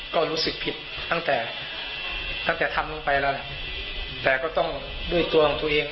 ก็รู้สึกผิดตั้งแต่ตั้งแต่ทำลงไปแล้วแต่ก็ต้องด้วยตัวของตัวเอง